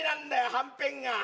はんぺんが。